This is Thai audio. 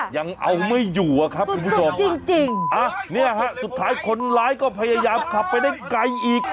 ยังเอาไม่อยู่ครับคุณผู้ชมค่ะสุดท้ายคนร้ายก็พยายามขับไปได้ไกลอีก